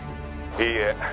いいえ。